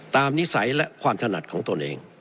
นิสัยและความถนัดของตนเอง